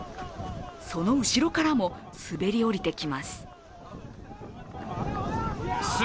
その後ろからも滑り降りてきます。